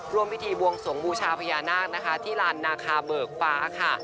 ร่วมพิธีบวงสวงบูชาพญานาคนะคะที่ลานนาคาเบิกฟ้าค่ะ